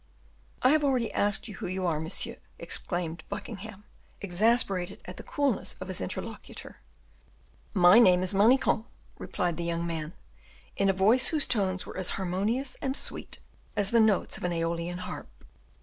"I have already asked you who you are, monsieur," exclaimed Buckingham, exasperated at the coolness of his interlocutor. "My name is Manicamp," replied the young man, in a voice whose tones were as harmonious and sweet as the notes of an Aeolian harp.